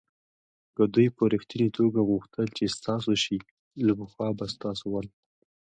که دوی په ریښتني توگه غوښتل چې ستاسو شي له پخوا به ستاسو ول.